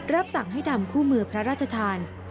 รับสั่งให้ทำผู้มือพระราชธานะต์